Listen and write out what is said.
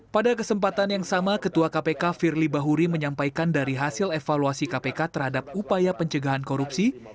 pada kesempatan yang sama ketua kpk firly bahuri menyampaikan dari hasil evaluasi kpk terhadap upaya pencegahan korupsi